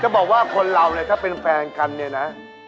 บอกว่าคนเราเนี่ยถ้าเป็นแฟนกันเนี่ยนะ